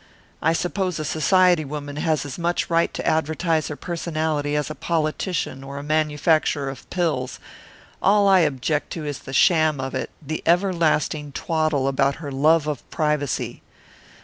I suppose a Society woman has as much right to advertise her personality as a politician or a manufacturer of pills; all I object to is the sham of it, the everlasting twaddle about her love of privacy.